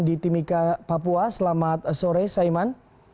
di timika papua selamat sore saiman